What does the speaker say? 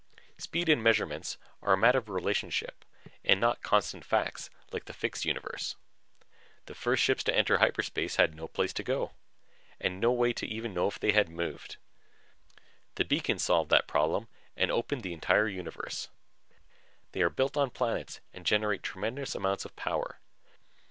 Speed and measurements are a matter of relationship, not constant facts like the fixed universe. The first ships to enter hyperspace had no place to go and no way to even tell if they had moved. The beacons solved that problem and opened the entire universe. They are built on planets and generate tremendous amounts of power.